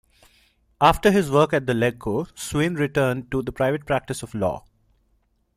After his work at the Legco, Swaine return to the private practice of law.